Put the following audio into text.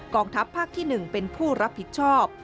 ทัพภาคที่๑เป็นผู้รับผิดชอบ